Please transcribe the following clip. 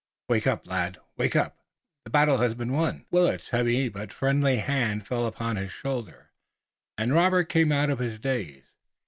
"Wake up, lad! Wake up! The battle has been won!" Willet's heavy but friendly hand fell upon his shoulder, and Robert came out of his daze.